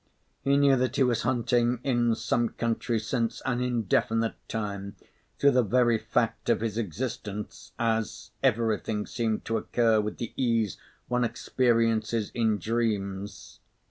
He knew that he was hunting in some country since an indefinite time, through the very fact of his existence, as everything seemed to occur with the ease one experiences in dreams.